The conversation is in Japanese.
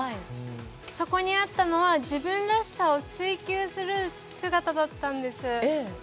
そこにあったのは自分らしさを追求する姿だったんです。